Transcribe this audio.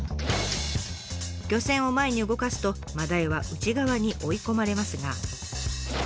漁船を前に動かすと真鯛は内側に追い込まれますが。